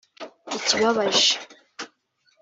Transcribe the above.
Ikibabaje